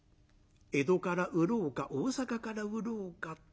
江戸から売ろうか大坂から売ろうか。